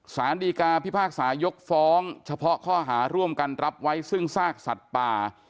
สารดีกาพิพากษายกฟ้องเฉพาะข้อหาร่วมกันรับไว้ซึ่งซากสัตว์ป่า